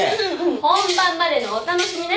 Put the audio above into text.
本番までのお楽しみね。